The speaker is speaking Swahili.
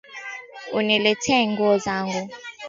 Uniletee nguo zangu